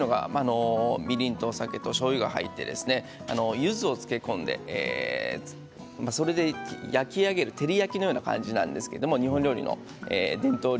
みりんとお酒としょうゆが入ってゆずを漬け込んでそれで焼き上げる照り焼きのような感じなんです